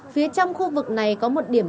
phía trong khu vực này có một điểm